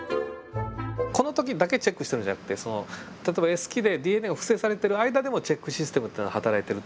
この時だけチェックしてるんじゃなくて例えばＳ期でＤＮＡが複製されている間でもチェックシステムっていうのは働いているといわれてますので。